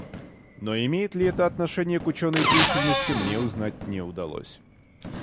Но имеет ли это отношение к ученой деятельности, мне узнать не удалось.